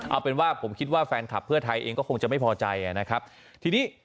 เอาเป็นว่าผมคิดว่าแฟนคลับเพื่อไทยเองก็คงจะไม่พอใจนะครับทีนี้